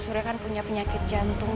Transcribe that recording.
surya kan punya penyakit jantung